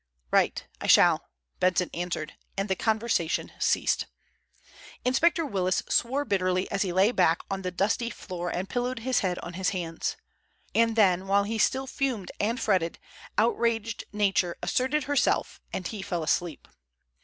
"Right. I shall," Benson answered, and the conversation ceased. Inspector Willis swore bitterly as he lay back on the dusty floor and pillowed his head on his hands. And then while he still fumed and fretted, outraged nature asserted herself and he fell asleep.